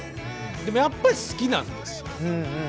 でもやっぱり好きなんですよ。